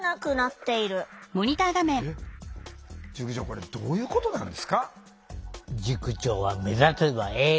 これどういうことなんですか？